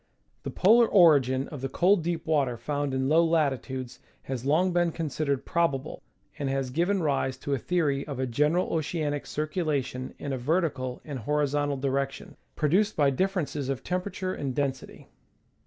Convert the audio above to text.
The polar origin of the cold deep water found in low latitudes has long been considered probable, and has given rise to a theory of a general oceanic circulation in a vertical and horizontal direction, produced by diffei'ences of temperature and density.